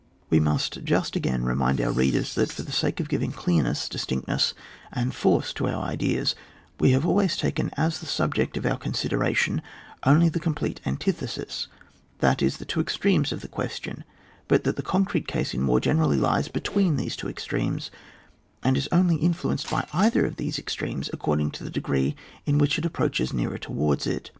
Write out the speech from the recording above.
We must just again remind our readers that, for the sake of giving clearness, distinctness, and force to our ideas, we have always taken as the subject of our consideration only the complete anti thesis, that is the two extremes of the question, but that the concrete case in war generally lies between these two extremes, CLnd is only influenced by either of these extremes according to the de gree in which it approaches nearer to wards it.